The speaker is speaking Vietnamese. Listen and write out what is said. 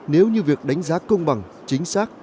nếu như việc đánh giá công bằng chính xác